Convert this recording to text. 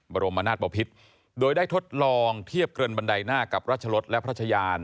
บรมนาศบพิษโดยได้ทดลองเทียบเกินบันไดหน้ากับรัชรศและพระชายาน